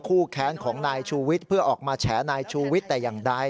แค้นของนายชูวิทย์เพื่อออกมาแฉนายชูวิทย์แต่อย่างใด